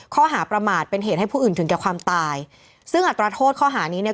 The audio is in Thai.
ข้อหาประมาทเป็นเหตุให้ผู้อื่นถึงแก่ความตายซึ่งอัตราโทษข้อหานี้เนี่ย